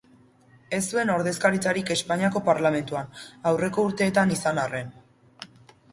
Ez zuen ordezkaritzarik Espainiako Parlamentuan, aurreko urteetan izan arren.